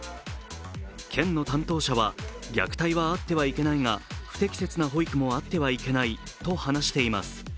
県の担当者は、虐待はあってはいけないが不適切な保育もあってはいけないと話しています。